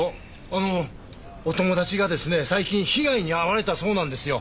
あのお友達がですね最近被害に遭われたそうなんですよ。